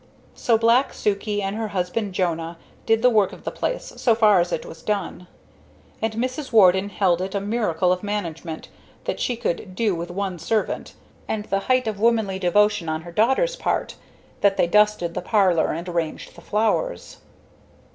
So black Sukey and her husband Jonah did the work of the place, so far as it was done; and Mrs. Warden held it a miracle of management that she could "do with one servant," and the height of womanly devotion on her daughters' part that they dusted the parlor and arranged the flowers.